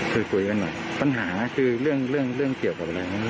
คือคุยกันหน่อยปัญหาคือเรื่องเรื่องเกี่ยวกับอะไร